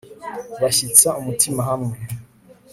bashyitsa umutima hamwe